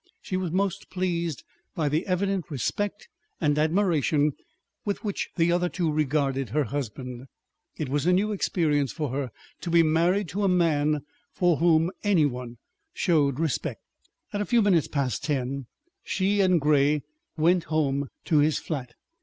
She was most pleased by the evident respect and admiration with which the other two regarded her husband. It was a new experience for her to be married to a man for whom any one showed respect. At a few minutes past ten she and Grey went home to his flat.